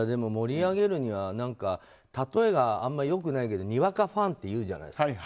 盛り上げるには例えがあまりよくないけどにわかファンっていうじゃないですか。